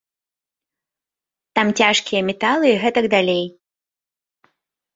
Там цяжкія металы і гэтак далей.